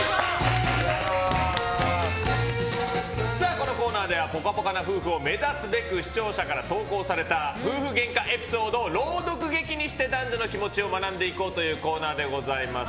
このコーナーではぽかぽかな夫婦を目指すべく視聴者から投稿された夫婦ゲンカエピソードを朗読劇にして男女の気持ちを学んでいこうというコーナーです。